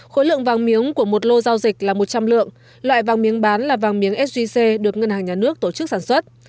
khối lượng vàng miếng của một lô giao dịch là một trăm linh lượng loại vàng miếng bán là vàng miếng sgc được ngân hàng nhà nước tổ chức sản xuất